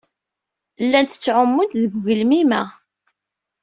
Llant ttɛumunt deg ugelmim-a.